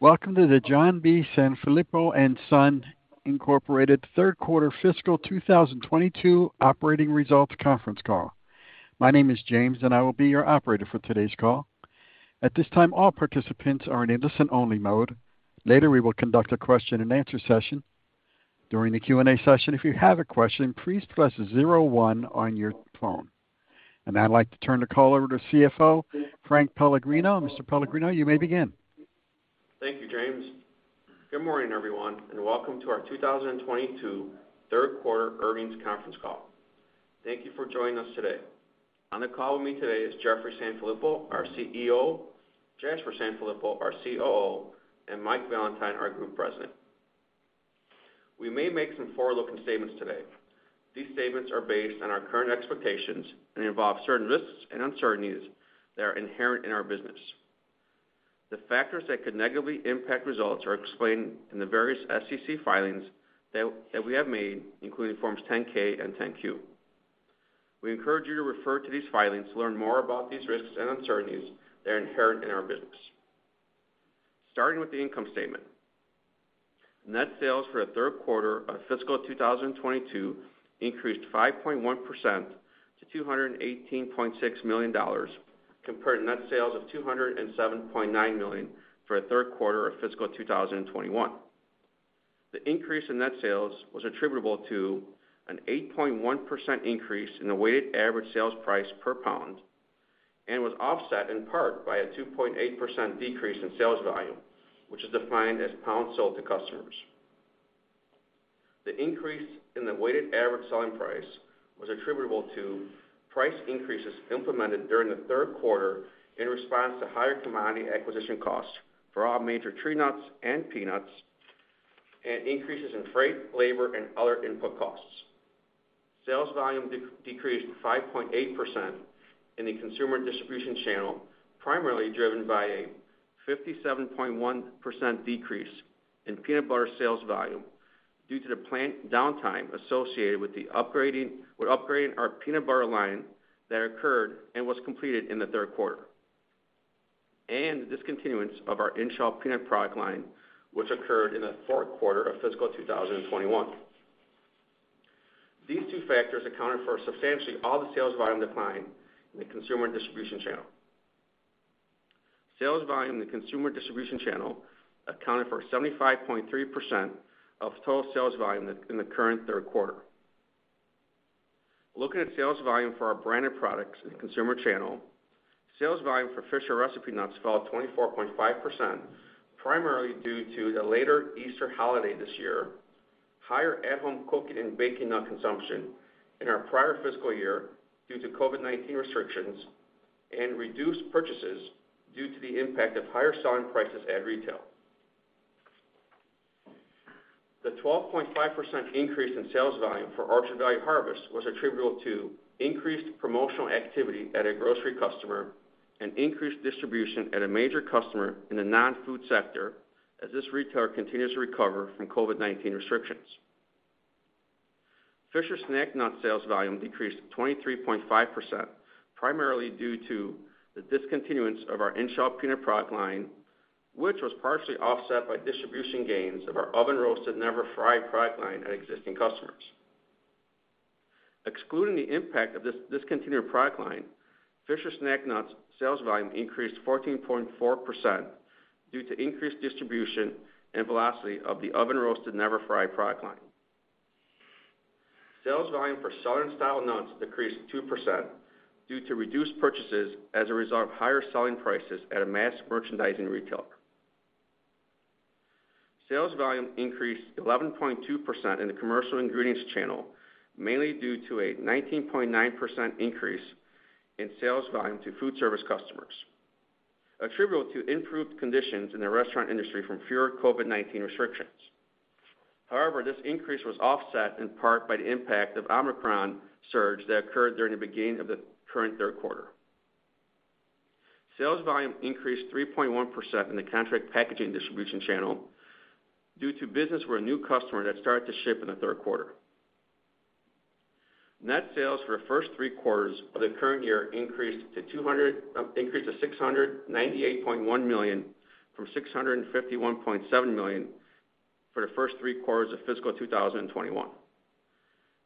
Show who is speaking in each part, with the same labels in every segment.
Speaker 1: Welcome to the John B. Sanfilippo & Son Incorporated third quarter fiscal 2022 operating results conference call. My name is James, and I will be your operator for today's call. At this time, all participants are in listen-only mode. Later, we will conduct a question-and-answer session. During the Q&A session, if you have a question, please press zero one on your phone. I'd like to turn the call over to CFO, Frank Pellegrino. Mr. Pellegrino, you may begin.
Speaker 2: Thank you, James. Good morning, everyone, and welcome to our 2022 third quarter earnings conference call. Thank you for joining us today. On the call with me today is Jeffrey Sanfilippo, our CEO, Jasper Sanfilippo, our COO, and Michael Valentine, our Group President. We may make some forward-looking statements today. These statements are based on our current expectations and involve certain risks and uncertainties that are inherent in our business. The factors that could negatively impact results are explained in the various SEC filings that we have made, including Forms 10-K and 10-Q. We encourage you to refer to these filings to learn more about these risks and uncertainties that are inherent in our business. Starting with the income statement. Net sales for the third quarter of fiscal 2022 increased 5.1% to $218.6 million, compared to net sales of $207.9 million for the third quarter of fiscal 2021. The increase in net sales was attributable to an 8.1% increase in the weighted average sales price per pound and was offset in part by a 2.8% decrease in sales volume, which is defined as pounds sold to customers. The increase in the weighted average selling price was attributable to price increases implemented during the third quarter in response to higher commodity acquisition costs for all major tree nuts and peanuts, and increases in freight, labor, and other input costs. Sales volume decreased 5.8% in the consumer distribution channel, primarily driven by a 57.1% decrease in peanut butter sales volume due to the plant downtime associated with upgrading our peanut butter line that occurred and was completed in the third quarter, and the discontinuance of our in-shell peanut product line, which occurred in the fourth quarter of fiscal 2021. These two factors accounted for substantially all the sales volume decline in the consumer distribution channel. Sales volume in the consumer distribution channel accounted for 75.3% of total sales volume in the current third quarter. Looking at sales volume for our branded products in consumer channel. Sales volume for Fisher Recipe Nuts fell 24.5%, primarily due to the later Easter holiday this year, higher at-home cooking and baking nut consumption in our prior fiscal year due to COVID-19 restrictions, and reduced purchases due to the impact of higher selling prices at retail. The 12.5% increase in sales volume for Orchard Valley Harvest was attributable to increased promotional activity at a grocery customer and increased distribution at a major customer in the non-food sector as this retailer continues to recover from COVID-19 restrictions. Fisher Snack Nuts sales volume decreased 23.5%, primarily due to the discontinuance of our in-shell peanut product line, which was partially offset by distribution gains of our Oven Roasted Never Fried product line at existing customers. Excluding the impact of this discontinued product line, Fisher Snack Nuts sales volume increased 14.4% due to increased distribution and velocity of the Oven Roasted Never Fried product line. Sales volume for Southern Style Nuts decreased 2% due to reduced purchases as a result of higher selling prices at a mass merchandising retailer. Sales volume increased 11.2% in the commercial ingredients channel, mainly due to a 19.9% increase in sales volume to food service customers, attributable to improved conditions in the restaurant industry from fewer COVID-19 restrictions. However, this increase was offset in part by the impact of Omicron surge that occurred during the beginning of the current third quarter. Sales volume increased 3.1% in the contract packaging distribution channel due to business with a new customer that started to ship in the third quarter. Net sales for the first three quarters of the current year increased to $698.1 million from $651.7 million for the first three quarters of fiscal 2021.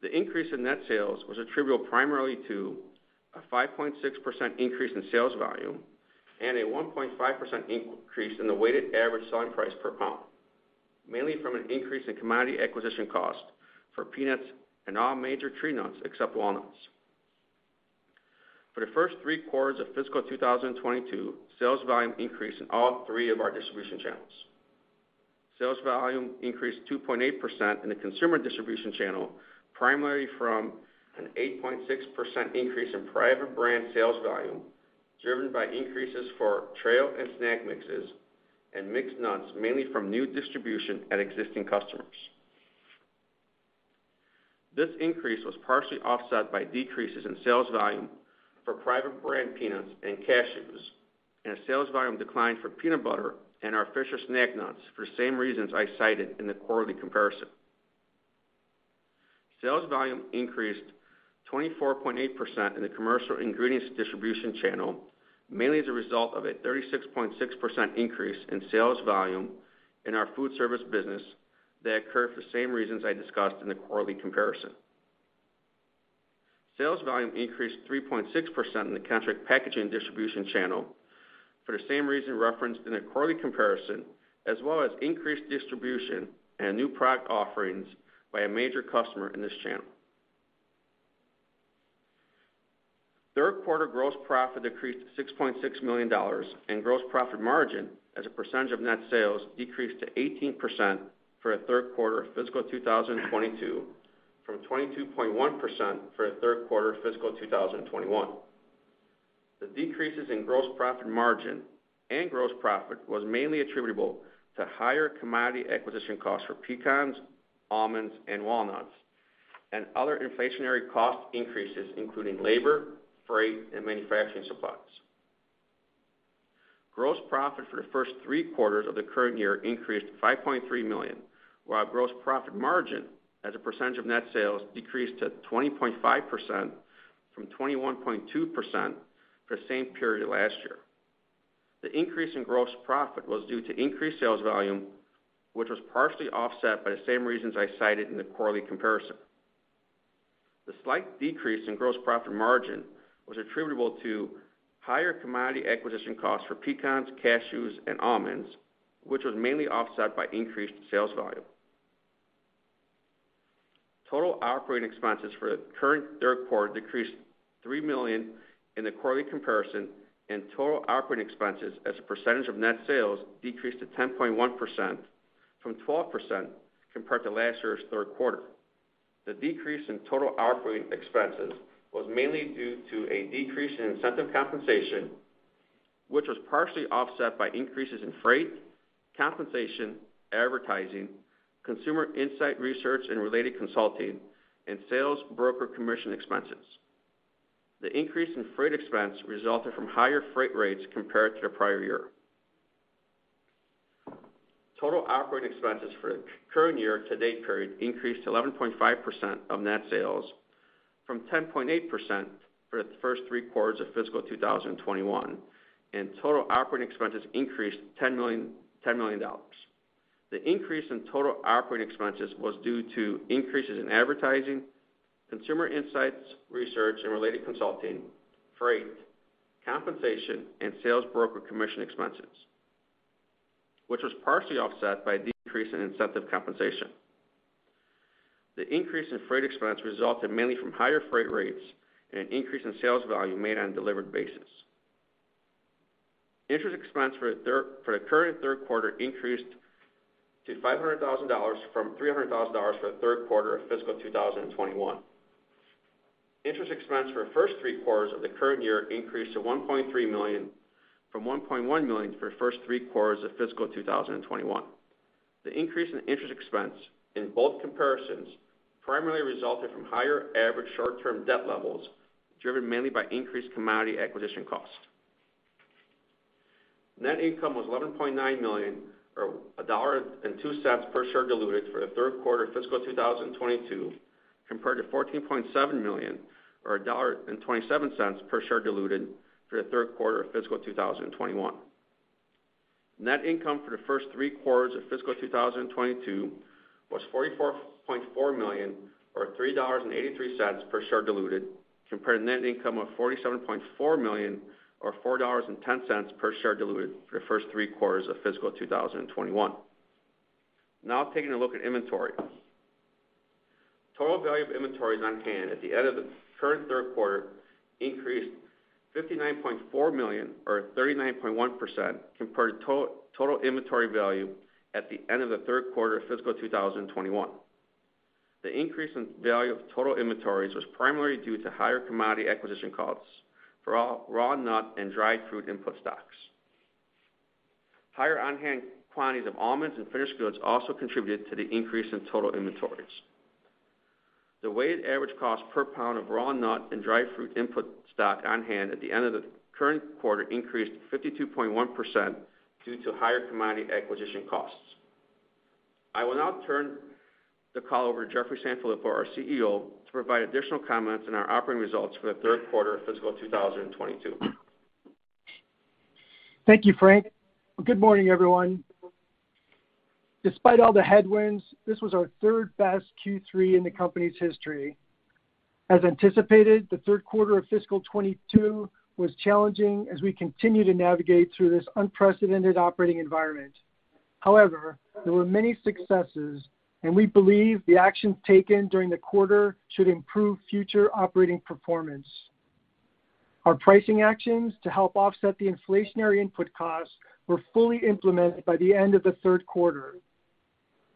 Speaker 2: The increase in net sales was attributable primarily to a 5.6% increase in sales volume and a 1.5% increase in the weighted average selling price per pound, mainly from an increase in commodity acquisition cost for peanuts and all major tree nuts except walnuts. For the first three quarters of fiscal 2022, sales volume increased in all three of our distribution channels. Sales volume increased 2.8% in the consumer distribution channel, primarily from an 8.6% increase in private brand sales volume, driven by increases for trail and snack mixes and mixed nuts, mainly from new distribution at existing customers. This increase was partially offset by decreases in sales volume for private brand peanuts and cashews, and a sales volume decline for peanut butter and our Fisher Snack Nuts for the same reasons I cited in the quarterly comparison. Sales volume increased 24.8% in the commercial ingredients distribution channel, mainly as a result of a 36.6% increase in sales volume in our food service business that occurred for the same reasons I discussed in the quarterly comparison. Sales volume increased 3.6% in the contract packaging distribution channel for the same reason referenced in the quarterly comparison, as well as increased distribution and new product offerings by a major customer in this channel. Third quarter gross profit decreased to $6.6 million, and gross profit margin as a percentage of net sales decreased to 18% for the third quarter of fiscal 2022, from 22.1% for the third quarter of fiscal 2021. The decreases in gross profit margin and gross profit was mainly attributable to higher commodity acquisition costs for pecans, almonds, and walnuts, and other inflationary cost increases, including labor, freight, and manufacturing supplies. Gross profit for the first three quarters of the current year increased to $5.3 million, while gross profit margin as a percentage of net sales decreased to 20.5% from 21.2% for the same period last year. The increase in gross profit was due to increased sales volume, which was partially offset by the same reasons I cited in the quarterly comparison. The slight decrease in gross profit margin was attributable to higher commodity acquisition costs for pecans, cashews, and almonds, which was mainly offset by increased sales volume. Total operating expenses for the current third quarter decreased $3 million in the quarterly comparison, and total operating expenses as a percentage of net sales decreased to 10.1% from 12% compared to last year's third quarter. The decrease in total operating expenses was mainly due to a decrease in incentive compensation, which was partially offset by increases in freight, compensation, advertising, consumer insight research and related consulting, and sales broker commission expenses. The increase in freight expense resulted from higher freight rates compared to the prior year. Total operating expenses for the current year to date period increased to 11.5% of net sales from 10.8% for the first three quarters of fiscal 2021, and total operating expenses increased $10 million. The increase in total operating expenses was due to increases in advertising, consumer insights, research and related consulting, freight, compensation, and sales broker commission expenses, which was partially offset by a decrease in incentive compensation. The increase in freight expense resulted mainly from higher freight rates and an increase in sales value made on a delivered basis. Interest expense for the current third quarter increased to $500,000 from $300,000 for the third quarter of fiscal 2021. Interest expense for the first three quarters of the current year increased to $1.3 million from $1.1 million for the first three quarters of fiscal 2021. The increase in interest expense in both comparisons primarily resulted from higher average short-term debt levels, driven mainly by increased commodity acquisition costs. Net income was $11.9 million or $1.02 per share diluted for the third quarter of fiscal 2022, compared to $14.7 million or $1.27 per share diluted for the third quarter of fiscal 2021. Net income for the first three quarters of fiscal 2022 was $44.4 million or $3.83 per share diluted, compared to net income of $47.4 million or $4.10 per share diluted for the first three quarters of fiscal 2021. Now taking a look at inventory. Total value of inventories on hand at the end of the current third quarter increased $59.4 million or 39.1% compared to total inventory value at the end of the third quarter of fiscal 2021. The increase in value of total inventories was primarily due to higher commodity acquisition costs for raw nut and dried fruit input stocks. Higher on-hand quantities of almonds and finished goods also contributed to the increase in total inventories. The weighted average cost per pound of raw nut and dried fruit input stock on hand at the end of the current quarter increased to 52.1% due to higher commodity acquisition costs. I will now turn the call over to Jeffrey Sanfilippo, our CEO, to provide additional comments on our operating results for the third quarter of fiscal 2022.
Speaker 3: Thank you, Frank. Good morning, everyone. Despite all the headwinds, this was our third-best Q3 in the company's history. As anticipated, the third quarter of fiscal 2022 was challenging as we continue to navigate through this unprecedented operating environment. However, there were many successes, and we believe the actions taken during the quarter should improve future operating performance. Our pricing actions to help offset the inflationary input costs were fully implemented by the end of the third quarter.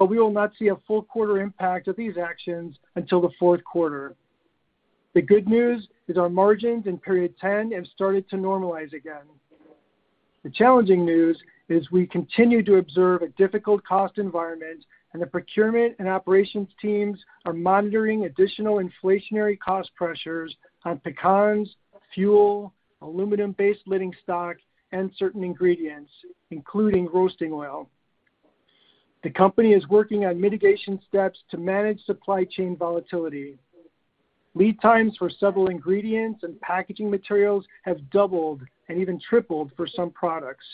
Speaker 3: We will not see a full quarter impact of these actions until the fourth quarter. The good news is our margins in period ten have started to normalize again. The challenging news is we continue to observe a difficult cost environment, and the procurement and operations teams are monitoring additional inflationary cost pressures on pecans, fuel, aluminum-based lining stock, and certain ingredients, including roasting oil. The company is working on mitigation steps to manage supply chain volatility. Lead times for several ingredients and packaging materials have doubled and even tripled for some products.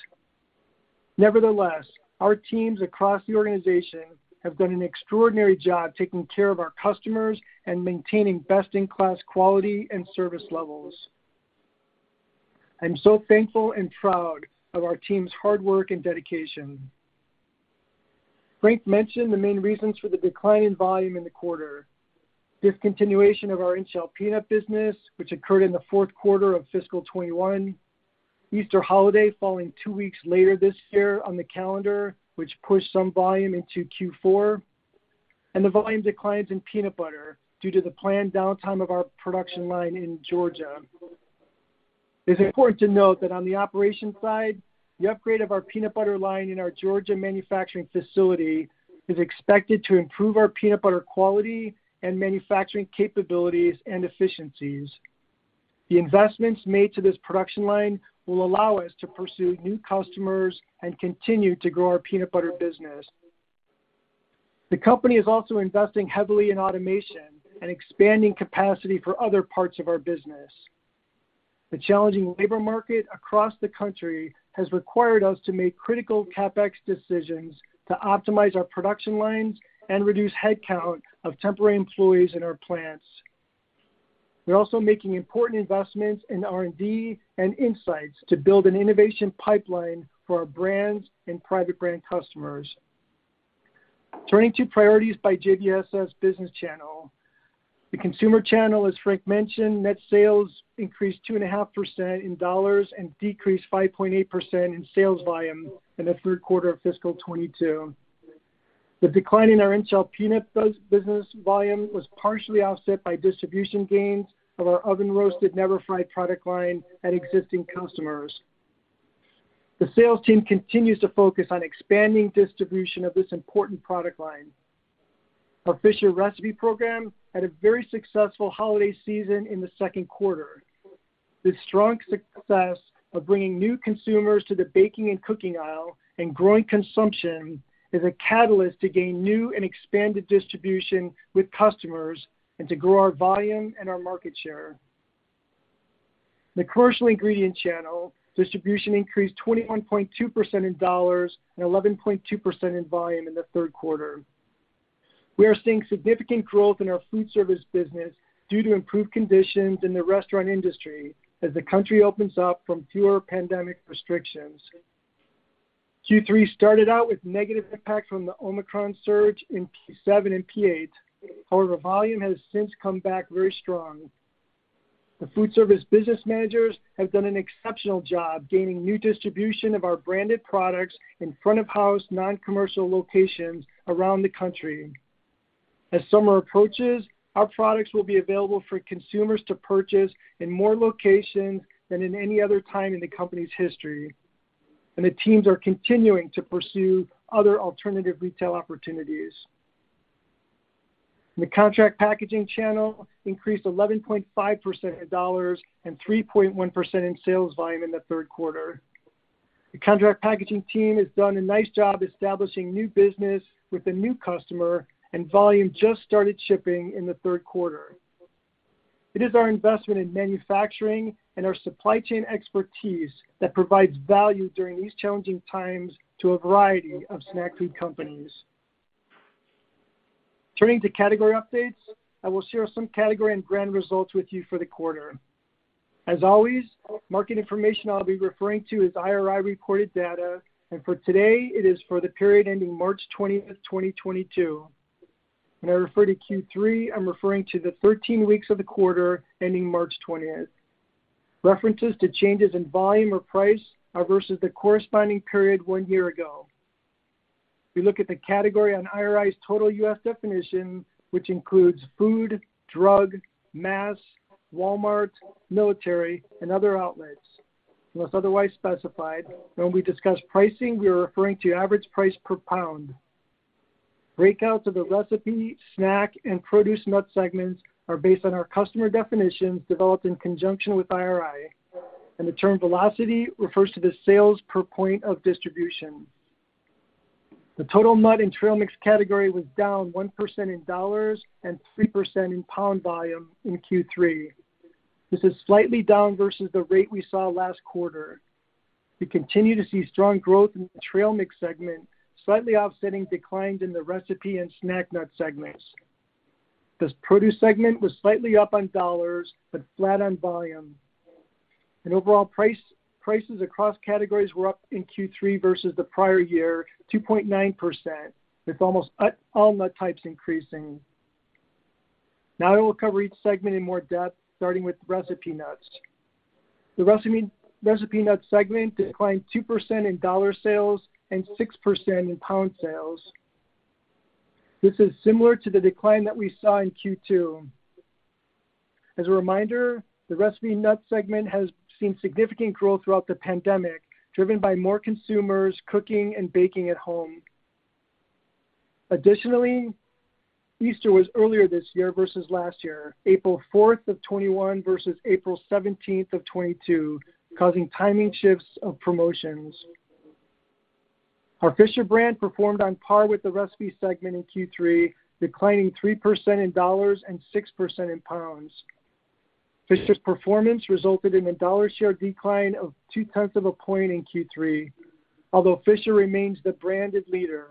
Speaker 3: Nevertheless, our teams across the organization have done an extraordinary job taking care of our customers and maintaining best-in-class quality and service levels. I'm so thankful and proud of our team's hard work and dedication. Frank mentioned the main reasons for the decline in volume in the quarter. Discontinuation of our in-shell peanut business, which occurred in the fourth quarter of fiscal 2021, Easter holiday falling two weeks later this year on the calendar, which pushed some volume into Q4, and the volume declines in peanut butter due to the planned downtime of our production line in Georgia. It's important to note that on the operations side, the upgrade of our peanut butter line in our Georgia manufacturing facility is expected to improve our peanut butter quality and manufacturing capabilities and efficiencies. The investments made to this production line will allow us to pursue new customers and continue to grow our peanut butter business. The company is also investing heavily in automation and expanding capacity for other parts of our business. The challenging labor market across the country has required us to make critical CapEx decisions to optimize our production lines and reduce headcount of temporary employees in our plants. We're also making important investments in R&D and insights to build an innovation pipeline for our brands and private brand customers. Turning to priorities by JBSS business channel. The consumer channel, as Frank mentioned, net sales increased 2.5% in dollars and decreased 5.8% in sales volume in the third quarter of fiscal 2022. The decline in our in-shell peanut business volume was partially offset by distribution gains of our Oven Roasted Never Fried product line at existing customers. The sales team continues to focus on expanding distribution of this important product line. Our Fisher Recipe program had a very successful holiday season in the second quarter. The strong success of bringing new consumers to the baking and cooking aisle and growing consumption is a catalyst to gain new and expanded distribution with customers and to grow our volume and our market share. The commercial ingredient channel distribution increased 21.2% in dollars and 11.2% in volume in the third quarter. We are seeing significant growth in our food service business due to improved conditions in the restaurant industry as the country opens up from fewer pandemic restrictions. Q3 started out with negative impact from the Omicron surge in P7 and P8. However, volume has since come back very strong. The food service business managers have done an exceptional job gaining new distribution of our branded products in front of house non-commercial locations around the country. As summer approaches, our products will be available for consumers to purchase in more locations than in any other time in the company's history, and the teams are continuing to pursue other alternative retail opportunities. The contract packaging channel increased 11.5% in dollars and 3.1% in sales volume in the third quarter. The contract packaging team has done a nice job establishing new business with a new customer, and volume just started shipping in the third quarter. It is our investment in manufacturing and our supply chain expertise that provides value during these challenging times to a variety of snack food companies. Turning to category updates, I will share some category and brand results with you for the quarter. As always, market information I'll be referring to is IRI recorded data, and for today, it is for the period ending March 20, 2022. When I refer to Q3, I'm referring to the 13 weeks of the quarter ending March 20th. References to changes in volume or price are versus the corresponding period one year ago. We look at the category on IRI's total U.S. definition, which includes food, drug, mass, Walmart, military, and other outlets, unless otherwise specified. When we discuss pricing, we are referring to average price per pound. Breakouts of the recipe, snack, and produce nut segments are based on our customer definitions developed in conjunction with IRI, and the term velocity refers to the sales per point of distribution. The total nut and trail mix category was down 1% in dollars and 3% in pound volume in Q3. This is slightly down versus the rate we saw last quarter. We continue to see strong growth in the trail mix segment, slightly offsetting declines in the recipe and snack nut segments. This produce segment was slightly up on dollars but flat on volume. Overall, prices across categories were up in Q3 versus the prior year 2.9%, with almost all nut types increasing. Now I will cover each segment in more depth, starting with recipe nuts. The recipe nuts segment declined 2% in dollar sales and 6% in pound sales. This is similar to the decline that we saw in Q2. As a reminder, the recipe nuts segment has seen significant growth throughout the pandemic, driven by more consumers cooking and baking at home. Additionally, Easter was earlier this year versus last year, April fourth of 2021 versus April 17th of 2022, causing timing shifts of promotions. Our Fisher brand performed on par with the recipe segment in Q3, declining 3% in dollars and 6% in pounds. Fisher's performance resulted in a dollar share decline of 0.2 of a point in Q3, although Fisher remains the branded leader.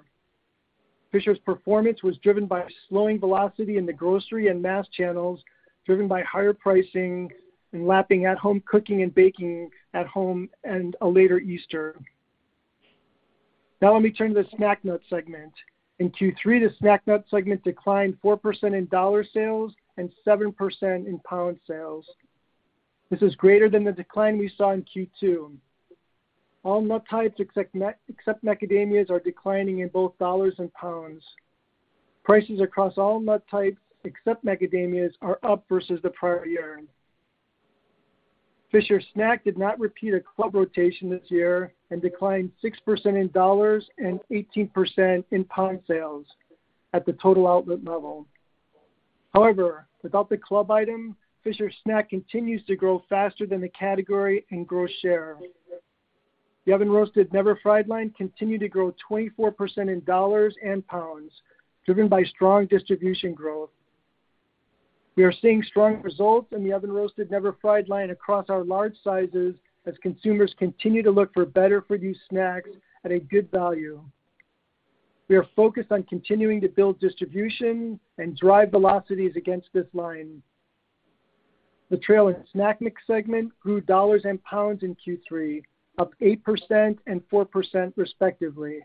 Speaker 3: Fisher's performance was driven by a slowing velocity in the grocery and mass channels, driven by higher pricing and lapping at-home cooking and baking at home and a later Easter. Now let me turn to the Snack Nut segment. In Q3, the Snack Nut segment declined 4% in dollar sales and 7% in pound sales. This is greater than the decline we saw in Q2. All nut types except macadamias are declining in both dollars and pounds. Prices across all nut types except macadamias are up versus the prior year. Fisher Snack did not repeat a club rotation this year and declined 6% in dollars and 18% in pound sales at the total outlet level. However, without the club item, Fisher Snack continues to grow faster than the category in gross share. The Oven Roasted Never Fried line continued to grow 24% in dollars and pounds, driven by strong distribution growth. We are seeing strong results in the Oven Roasted Never Fried line across our large sizes as consumers continue to look for better-for-you snacks at a good value. We are focused on continuing to build distribution and drive velocities against this line. The trail and snack mix segment grew dollars and pounds in Q3, up 8% and 4% respectively.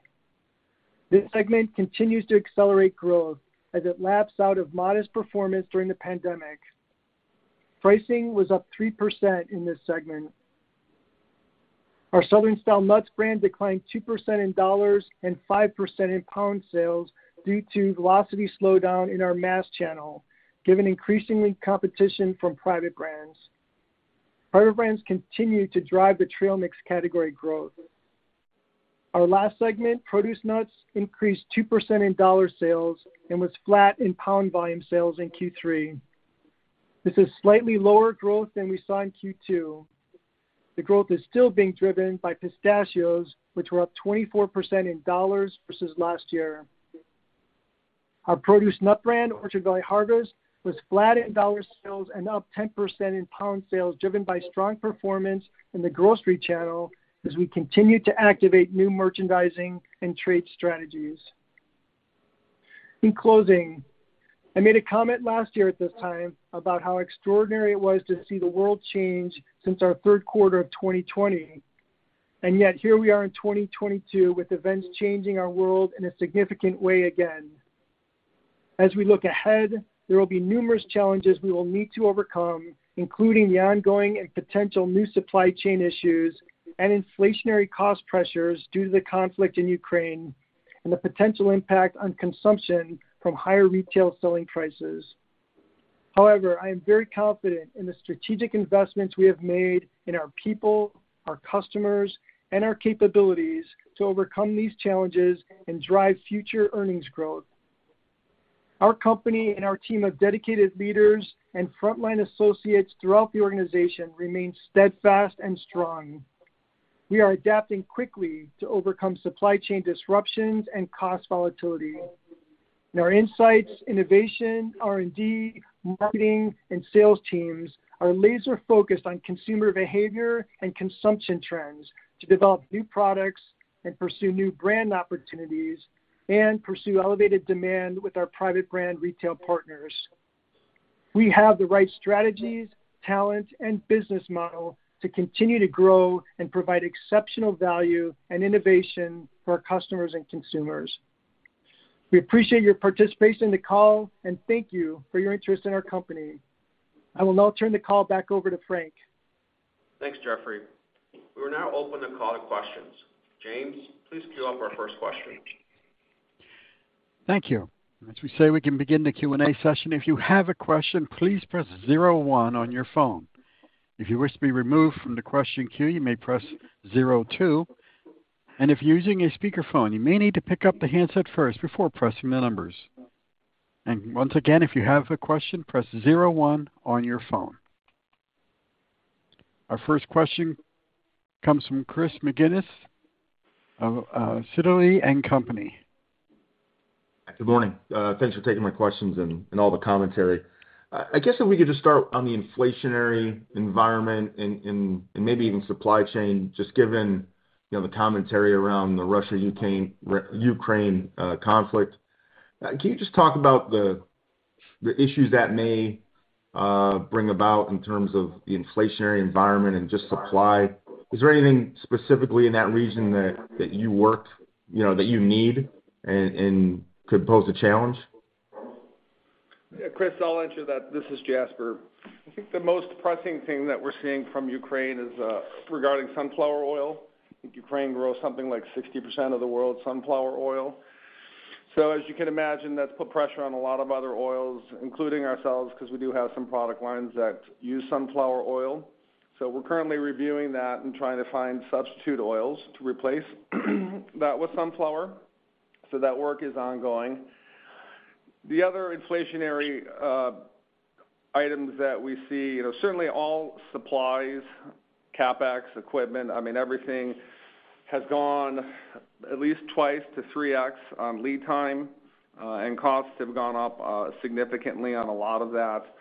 Speaker 3: This segment continues to accelerate growth as it laps out of modest performance during the pandemic. Pricing was up 3% in this segment. Our Southern Style Nuts brand declined 2% in dollars and 5% in pound sales due to velocity slowdown in our mass channel, given increasing competition from private brands. Private brands continue to drive the trail mix category growth. Our last segment, Produce Nuts, increased 2% in dollar sales and was flat in pound volume sales in Q3. This is slightly lower growth than we saw in Q2. The growth is still being driven by pistachios, which were up 24% in dollars versus last year. Our produce nut brand, Orchard Valley Harvest, was flat in dollar sales and up 10% in pound sales, driven by strong performance in the grocery channel as we continue to activate new merchandising and trade strategies. In closing, I made a comment last year at this time about how extraordinary it was to see the world change since our third quarter of 2020, and yet here we are in 2022 with events changing our world in a significant way again. As we look ahead, there will be numerous challenges we will need to overcome, including the ongoing and potential new supply chain issues and inflationary cost pressures due to the conflict in Ukraine and the potential impact on consumption from higher retail selling prices. However, I am very confident in the strategic investments we have made in our people, our customers, and our capabilities to overcome these challenges and drive future earnings growth. Our company and our team of dedicated leaders and frontline associates throughout the organization remain steadfast and strong. We are adapting quickly to overcome supply chain disruptions and cost volatility. Our insights, innovation, R&D, marketing, and sales teams are laser-focused on consumer behavior and consumption trends to develop new products and pursue new brand opportunities and pursue elevated demand with our private brand retail partners. We have the right strategies, talent, and business model to continue to grow and provide exceptional value and innovation for our customers and consumers. We appreciate your participation in the call and thank you for your interest in our company. I will now turn the call back over to Frank.
Speaker 2: Thanks, Jeffrey. We will now open the call to questions. James, please queue up our first question.
Speaker 1: Thank you. As we say, we can begin the Q&A session. If you have a question, please press zero one on your phone. If you wish to be removed from the question queue, you may press zero two. And if you're using a speakerphone, you may need to pick up the handset first before pressing the numbers. And once again, if you have a question, press zero one on your phone. Our first question comes from Chris McGinnis of Sidoti & Company.
Speaker 4: Good morning. Thanks for taking my questions and all the commentary. I guess if we could just start on the inflationary environment and maybe even supply chain, just given, you know, the commentary around the Russia-Ukraine conflict. Can you just talk about the issues that may bring about in terms of the inflationary environment and just supply? Is there anything specifically in that region that you work, you know, that you need and could pose a challenge?
Speaker 5: Yeah, Chris, I'll answer that. This is Jasper. I think the most pressing thing that we're seeing from Ukraine is regarding sunflower oil. I think Ukraine grows something like 60% of the world's sunflower oil. As you can imagine, that's put pressure on a lot of other oils, including ourselves, because we do have some product lines that use sunflower oil. We're currently reviewing that and trying to find substitute oils to replace that with sunflower. That work is ongoing. The other inflationary items that we see, you know, certainly all supplies, CapEx, equipment, I mean, everything has gone at least 2-3x on lead time, and costs have gone up significantly on a lot of that.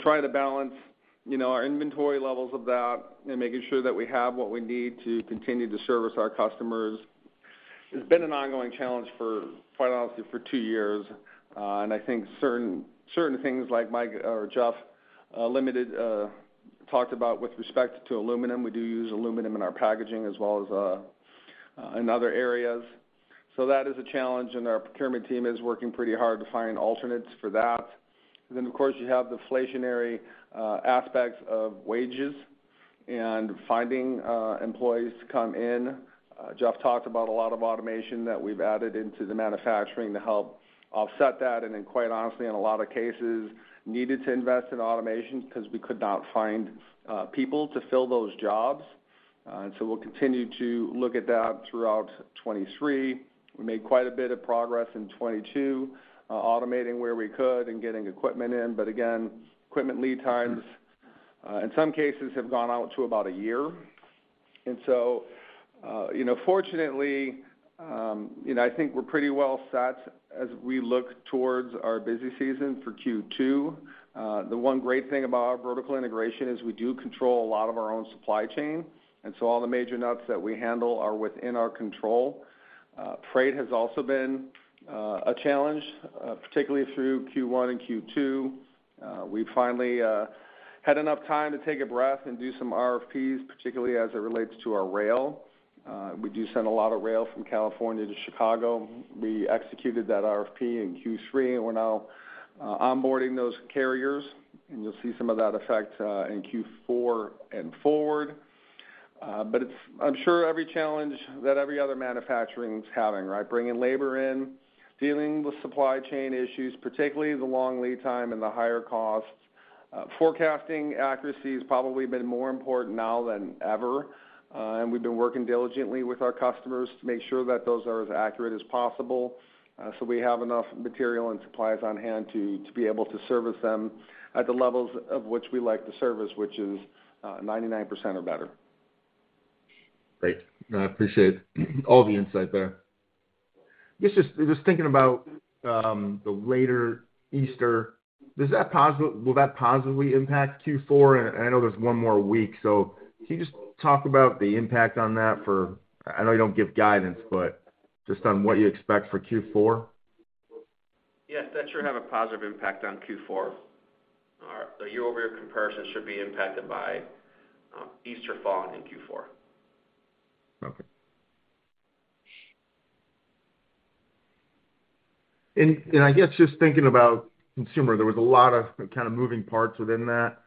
Speaker 5: Trying to balance, you know, our inventory levels of that and making sure that we have what we need to continue to service our customers has been an ongoing challenge for, quite honestly, for two years. I think certain things like Mike or Jeff talked about with respect to aluminum. We do use aluminum in our packaging as well as in other areas. That is a challenge, and our procurement team is working pretty hard to find alternates for that. Then, of course, you have the inflationary aspects of wages and finding employees to come in. Jeff talked about a lot of automation that we've added into the manufacturing to help offset that, and then quite honestly, in a lot of cases, needed to invest in automation because we could not find people to fill those jobs. We'll continue to look at that throughout 2023. We made quite a bit of progress in 2022, automating where we could and getting equipment in. Again, equipment lead times, in some cases have gone out to about a year. You know, fortunately, you know, I think we're pretty well set as we look towards our busy season for Q2. The one great thing about our vertical integration is we do control a lot of our own supply chain, and so all the major nuts that we handle are within our control. Freight has also been a challenge, particularly through Q1 and Q2. We finally had enough time to take a breath and do some RFPs, particularly as it relates to our rail. We do send a lot of rail from California to Chicago. We executed that RFP in Q3, and we're now onboarding those carriers, and you'll see some of that effect in Q4 and forward. It's. I'm sure every challenge that every other manufacturer is having, right. Bringing labor in, dealing with supply chain issues, particularly the long lead time and the higher costs. Forecasting accuracy has probably been more important now than ever, and we've been working diligently with our customers to make sure that those are as accurate as possible, so we have enough material and supplies on hand to be able to service them at the levels of which we like to service, which is 99% or better.
Speaker 4: Great. No, I appreciate all the insight there. I guess, just thinking about the later Easter, will that positively impact Q4? I know there's one more week, so can you just talk about the impact on that. I know you don't give guidance, but just on what you expect for Q4?
Speaker 2: Yes, that should have a positive impact on Q4. Our year-over-year comparison should be impacted by, Easter falling in Q4.
Speaker 4: Okay. I guess just thinking about consumer, there was a lot of kind of moving parts within that.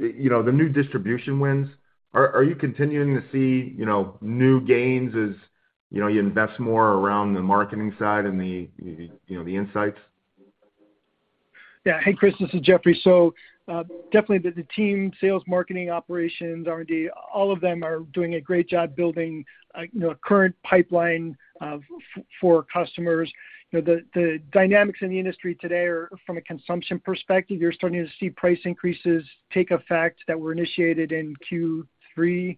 Speaker 4: You know, the new distribution wins, are you continuing to see, you know, new gains as, you know, you invest more around the marketing side and the, you know, the insights?
Speaker 3: Yeah. Hey, Chris, this is Jeffrey. Definitely the team sales, marketing, operations, R&D, all of them are doing a great job building, you know, a current pipeline of customers. You know, the dynamics in the industry today are from a consumption perspective. You're starting to see price increases take effect that were initiated in Q3,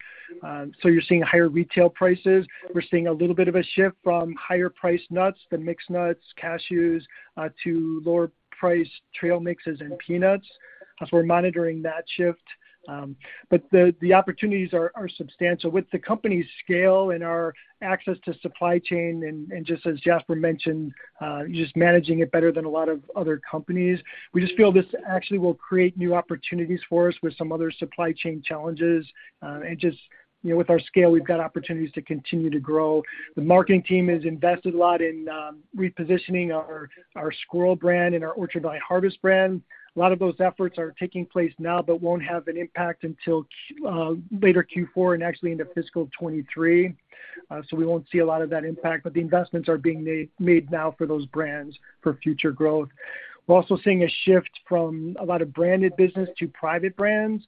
Speaker 3: so you're seeing higher retail prices. We're seeing a little bit of a shift from higher priced nuts, the mixed nuts, cashews, to lower priced trail mixes and peanuts. We're monitoring that shift. The opportunities are substantial. With the company's scale and our access to supply chain and just as Jasper mentioned, just managing it better than a lot of other companies, we just feel this actually will create new opportunities for us with some other supply chain challenges. Just, you know, with our scale, we've got opportunities to continue to grow. The marketing team has invested a lot in repositioning our Squirrel Brand and our Orchard Valley Harvest brand. A lot of those efforts are taking place now, but won't have an impact until later Q4 and actually into fiscal 2023. So we won't see a lot of that impact, but the investments are being made now for those brands for future growth. We're also seeing a shift from a lot of branded business to private brands.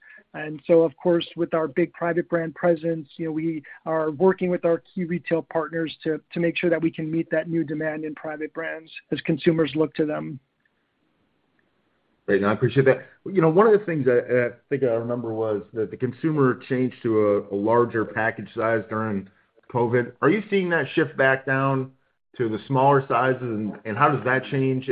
Speaker 3: Of course, with our big private brand presence, you know, we are working with our key retail partners to make sure that we can meet that new demand in private brands as consumers look to them.
Speaker 4: Great, I appreciate that. You know, one of the things I think I remember was that the consumer changed to a larger package size during COVID. Are you seeing that shift back down to the smaller sizes, and how does that change?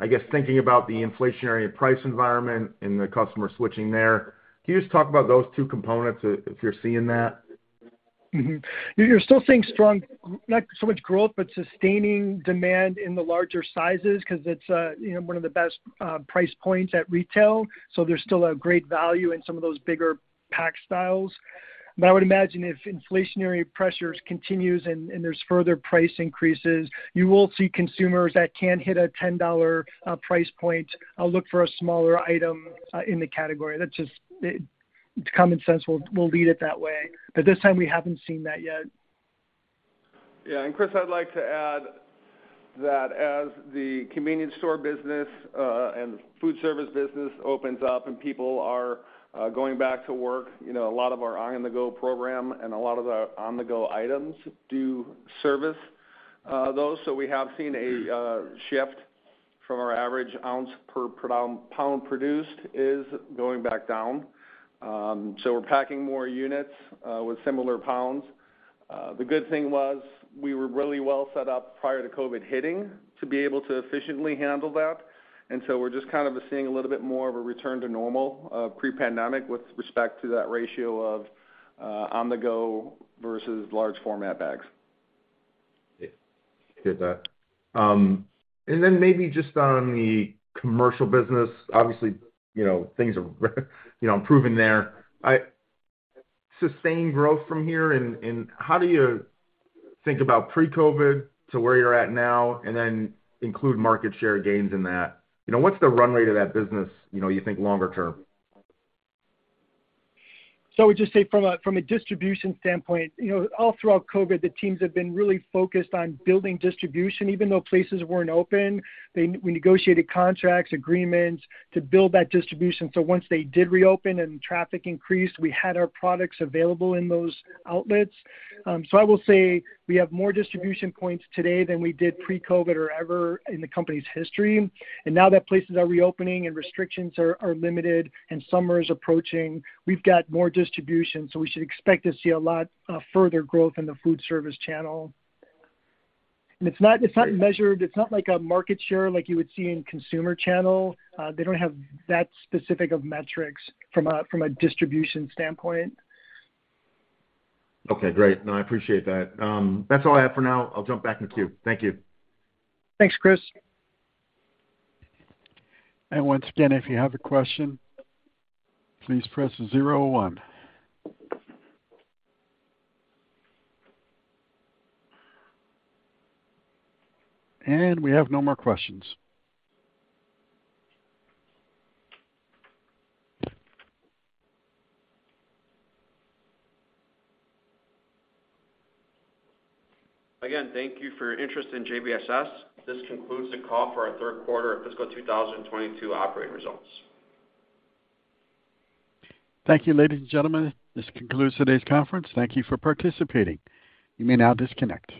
Speaker 4: I guess, thinking about the inflationary price environment and the customer switching there, can you just talk about those two components if you're seeing that?
Speaker 3: Mm-hmm. You're still seeing strong, not so much growth, but sustaining demand in the larger sizes because it's, you know, one of the best price points at retail, so there's still a great value in some of those bigger pack styles. I would imagine if inflationary pressures continues and there's further price increases, you will see consumers that can hit a $10 price point look for a smaller item in the category. That's just it's common sense. We'll lead it that way. This time, we haven't seen that yet.
Speaker 5: Chris, I'd like to add that as the convenience store business and food service business opens up and people are going back to work, you know, a lot of our On the Go program and a lot of our On the Go items do service those. So we have seen a shift from our average ounce per pound produced is going back down. So we're packing more units with similar pounds. The good thing was we were really well set up prior to COVID hitting to be able to efficiently handle that. We're just kind of seeing a little bit more of a return to normal pre-pandemic with respect to that ratio of On the Go versus large format bags.
Speaker 4: Yeah. Hear that. Maybe just on the commercial business, obviously, you know, things are, you know, improving there. Sustained growth from here and how do you think about pre-COVID to where you're at now and then include market share gains in that? You know, what's the run rate of that business, you know, you think longer term?
Speaker 3: I would just say from a distribution standpoint, you know, all throughout COVID, the teams have been really focused on building distribution. Even though places weren't open, we negotiated contracts, agreements to build that distribution. Once they did reopen and traffic increased, we had our products available in those outlets. I will say we have more distribution points today than we did pre-COVID or ever in the company's history. Now that places are reopening and restrictions are limited and summer is approaching, we've got more distribution, so we should expect to see a lot further growth in the food service channel. It's not measured. It's not like a market share like you would see in consumer channel. They don't have that specific metrics from a distribution standpoint.
Speaker 4: Okay, great. No, I appreciate that. That's all I have for now. I'll jump back in the queue. Thank you.
Speaker 3: Thanks, Chris.
Speaker 1: Once again, if you have a question, please press zero one. We have no more questions.
Speaker 5: Again, thank you for your interest in JBSS. This concludes the call for our third quarter of fiscal 2022 operating results.
Speaker 1: Thank you, ladies and gentlemen. This concludes today's conference. Thank you for participating. You may now disconnect.